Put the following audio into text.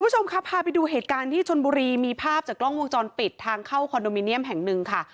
คุณผู้ชมครับพาไปดูเหตุการณ์ที่ชนบุรีมีภาพจากกล้องวงจรปิดทางเข้าคอนโดมิเนียมแห่งหนึ่งค่ะ